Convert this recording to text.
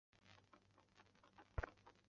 德川治济在宝历元年十一月初六。